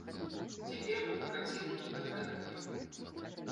Цяпер тут карціны не патрэбныя.